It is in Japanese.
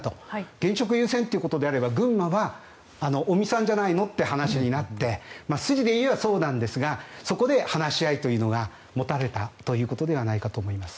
現職優先ということであれば群馬は尾身さんじゃないのっていう話になって筋で言えばそうなんですがそこで話し合いというのが持たれたということではないかと思います。